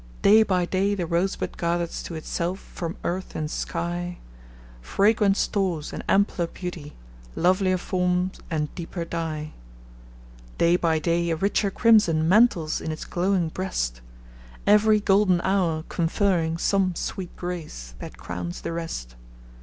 Day by day the rosebud gathers to itself, from earth and sky, Fragrant stores and ampler beauty, lovelier form and deeper dye: Day by day a richer crimson mantles in its glowing breast Every golden hour conferring some sweet grace that crowns the rest.